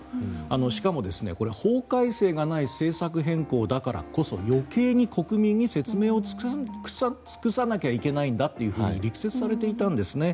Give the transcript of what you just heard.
しかもこれは法改正がない政策変更だからこそ余計に国民に説明を尽くさなきゃいけないんだと力説されていたんですね。